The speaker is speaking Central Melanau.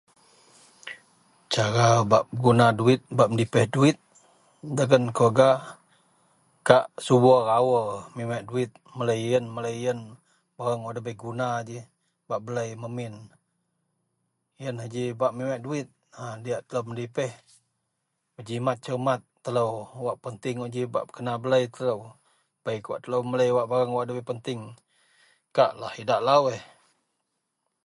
cara bak peguna duwit, bak medepih duwit dagen keluarga, kak subur aur miweak duwit, melei ien, melei ien barang wak debei guna ji bak belei memin, ienlah ji bak miweak duwit, a diyak telou medepih berjimat cermat telou, wak penting un ji bak kena belei telou, bei kawak telou melei barang wak debai penting, kaklah idak lalui